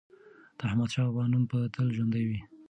د احمدشاه بابا نوم به تل ژوندی وي.